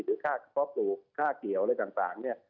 หรือค่าข้อปลูกค่าเกี่ยวอะไรต่างเนี่ย